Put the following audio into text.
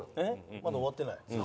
まだ終わってない。